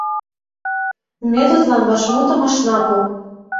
Ме тудлан вашмутым ышна пу.